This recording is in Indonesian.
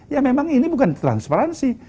ya memang ini bukan transparansi